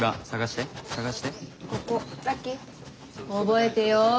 覚えてよ。